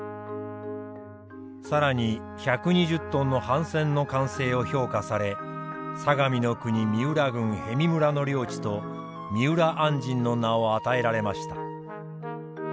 更に１２０トンの帆船の完成を評価され相模国三浦郡逸見村の領地と三浦按針の名を与えられました。